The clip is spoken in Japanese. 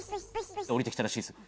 が降りて来たらしいですよ。